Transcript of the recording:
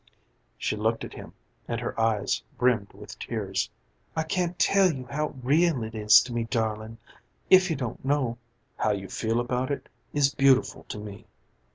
'" She looked at him and her eyes brimmed with tears. "I can't tell you how real it is to me, darling if you don't know." "How you feel about it is beautiful to me."